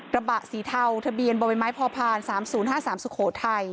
บะสีเทาทะเบียนบ่อใบไม้พอผ่าน๓๐๕๓สุโขทัย